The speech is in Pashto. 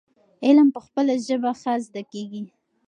علم په خپله ژبه ښه زده کيږي.